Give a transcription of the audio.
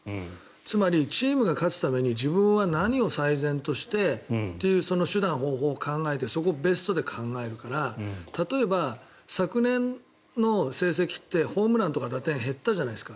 つまりチームが勝つために自分は何を最善としてっていうその手段、方法を考えてそこをベストで考えるから例えば、昨年の成績ってホームランとか打点減ったじゃないですか。